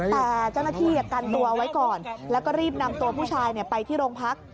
แต่เจ้าหน้าที่กันตัวไว้ก่อนแล้วก็รีบนำตัวผู้ชายไปที่โรงพัก